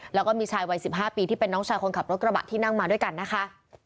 แล้วก็มีชายวัย๑๕ปีที่เป็นน้องชายคนขับรถกระบะที่นั่งมาด้วยกันนะคะ